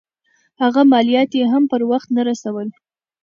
هغه مالیات یې هم پر وخت نه رسول.